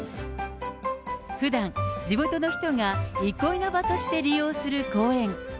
ふだん、地元の人が憩いの場として利用する公園。